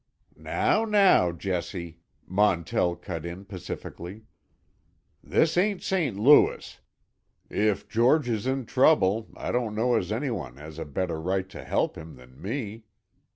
"Now, now Jessie," Montell cut in pacifically. "This ain't St. Louis. If George is in trouble, I don't know as any one has a better right to help him than me.